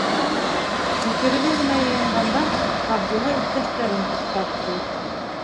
Һикерергә генә йыйынғанда, Ғабдулла иптәштәрен туҡтатты.